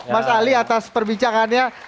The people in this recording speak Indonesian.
mas ali atas perbincangannya